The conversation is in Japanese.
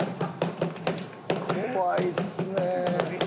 怖いっすね。